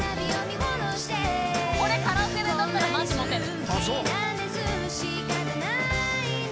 これカラオケで歌ったらマジモテる。